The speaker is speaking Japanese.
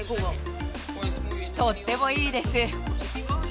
とってもいいです。